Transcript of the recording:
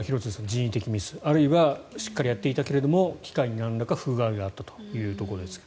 人為的ミスあるいはしっかりやっていたけれど機械になんらかの不具合があったかというところです。